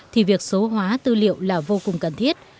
thì việc số hóa tư liệu là vô cùng cần thiết